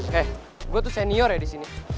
he gua tuh senior ya disini